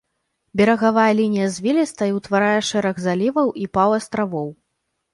Берагавая лінія звілістая і ўтварае шэраг заліваў і паўастравоў.